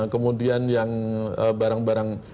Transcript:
kemudian yang barang barang